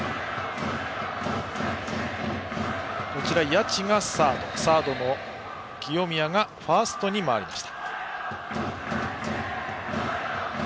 谷内がサード、サードの清宮がファーストに回っています。